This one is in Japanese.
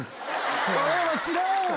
それは知らん。